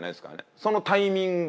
そのタイミング